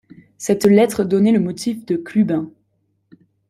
Cette lettre donnait le motif de Clubin.